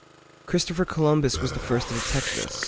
Christopher Columbus was the first to detect this.